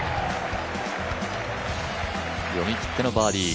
読み切ってのバーディー。